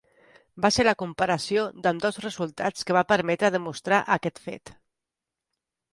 Va ser la comparació d'ambdós resultats que va permetre demostrar aquest fet.